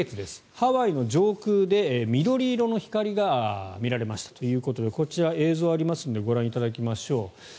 ハワイの上空で緑色の光が見られましたということでこちら、映像がありますのでご覧いただきましょう。